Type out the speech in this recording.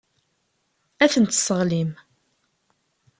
Ad tent-tesseɣlim.